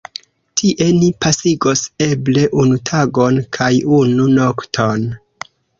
Tie ni pasigos eble unu tagon kaj unu nokton.